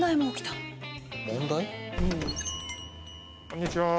こんにちは。